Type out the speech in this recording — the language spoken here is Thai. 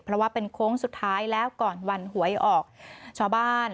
เพราะว่าเป็นโค้งสุดท้ายแล้วก่อนวันหวยออกชาวบ้าน